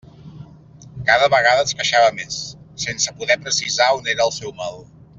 Cada vegada es queixava més, sense poder precisar on era el seu mal.